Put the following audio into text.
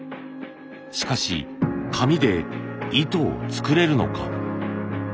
しかし紙で糸を作れるのか？